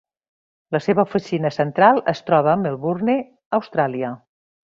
La seva oficina central es troba a Melbourne, Austràlia.